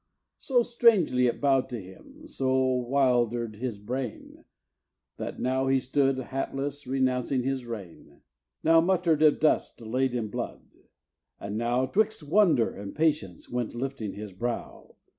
So strangely it bow'd him, so wilder'd his brain, That now he stood, hatless, renouncing his reign; Now mutter'd of dust laid in blood; and now 'Twixt wonder and patience went lifting his brow.